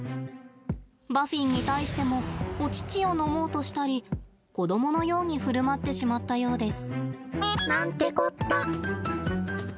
バフィンに対してもお乳を飲もうとしたり子どものようにふるまってしまったようです。